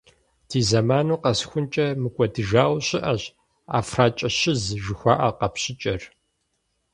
Ди зэманым къэсхункӏэ мыкӏуэдыжауэ щыӏэщ «ӏэфракӏэщыз» жыхуаӏэ къэпщыкӏэр.